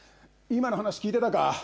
今の話聞いてたか？